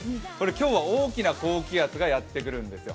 今日は大きな高気圧がやってくるんですよ。